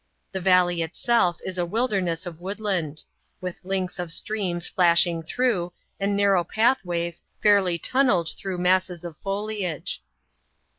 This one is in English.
The valley itself is a wilderness of wood land ; with links of streams flashing through, and narrow path* ways, fairly tunnelled through masses of foliage.